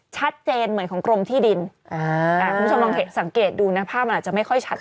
ชัดเจนเหมือนของกรมที่ดินคุณผู้ชมลองสังเกตดูนะภาพมันอาจจะไม่ค่อยชัด